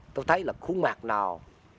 tôi thấy là khuôn mặt nào